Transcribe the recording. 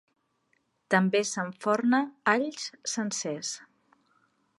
També s'enforna alls sencers.